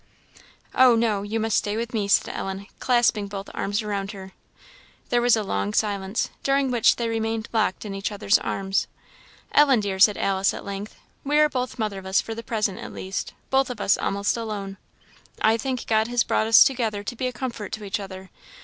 "Oh, no! You must stay with me," said Ellen, clasping both arms around her. There was a long silence, during which they remained locked in each other's arms. "Ellen, dear," said Alice, at length, "we are both motherless, for the present, at least both of us almost alone: I think God has brought us together to be a comfort to each other.